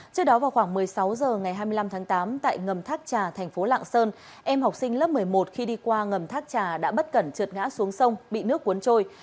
trước đó vào khoảng một mươi sáu h ngày hai mươi năm tháng tám tại ngầm thác trà thành phố lạng sơn em học sinh lớp một mươi một khi đi qua ngầm thác trà đã bất cẩn trượt ngã xuống sông bị nước cuốn trôi